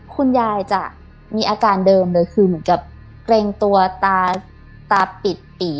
คุณยายจะมีอาการเดิมเลยคือเหมือนกับเกรงตัวตาตาปิดปี